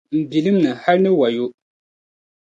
m bilim ni hal ni wayo.